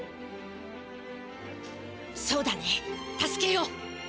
そうだね助けよう！